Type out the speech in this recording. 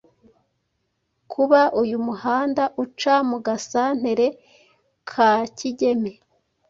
Kuba uyu muhanda uca mu gasantere ka Kigeme